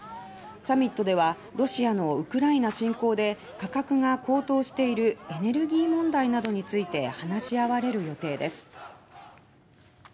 サミットではロシアのウクライナ侵攻で価格が高騰しているエネルギー問題などについて話し合われる予定です。